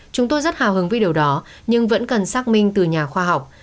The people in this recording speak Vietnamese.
chúng tôi rất hào hứng vì điều đó nhưng vẫn cần xác minh từ nhà khoa học